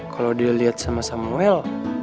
kalau dilihat sama samuel